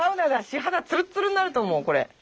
肌ツルッツルになると思うこれ。